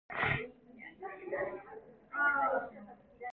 따라서 원소의 숲이 떠오르며 이젠 선비가 들어갔을 터이지 하고 생각하였다.